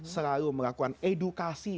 selalu melakukan edukasi